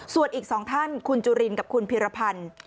ส่วนอีก๒ท่านคุณจุลินกับคุณพิรพันธ์